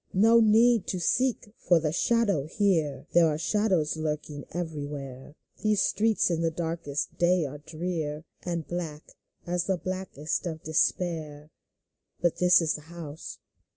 No need to seek for the shadow here ; There are shadows lurking everywhere ; These streets in the brightest day are drear. And black as the blackness of despair. But this is the house.